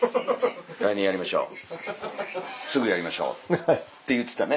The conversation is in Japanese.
来年やりましょうすぐやりましょう」。って言ってたね。